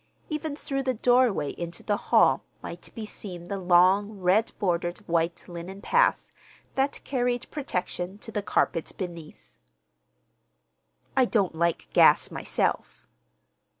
Even through the doorway into the hall might be seen the long, red bordered white linen path that carried protection to the carpet beneath. "I don't like gas myself."